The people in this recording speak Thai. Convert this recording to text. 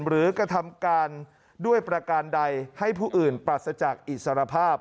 กระทำการด้วยประการใดให้ผู้อื่นปราศจากอิสรภาพ